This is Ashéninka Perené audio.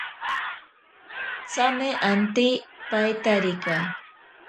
Tsame ante paitarika.